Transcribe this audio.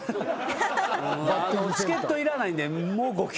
チケットいらないんでもう５球。